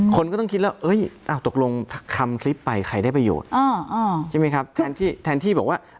คนก็ต้องคิดแล้วตกลงทำคลิปไปใครได้ประโยชน์ใช่ไหมครับแทนที่แทนที่บอกว่า